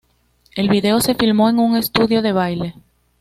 El video se filmó en un estudio de baile.